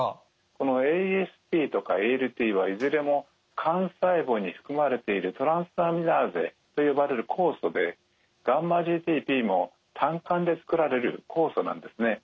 このＡＳＴとかＡＬＴはいずれも肝細胞に含まれているトランスアミナーゼと呼ばれる酵素でγ−ＧＴＰも胆管でつくられる酵素なんですね。